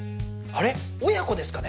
親子ですかね？